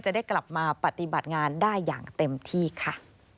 จะได้กลับมาปฏิบัติงานได้อย่างเต็มที่ค่ะ